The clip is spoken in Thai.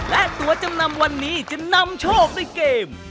และตัวจำนำวันนี้จะนำโชคด้วยเกม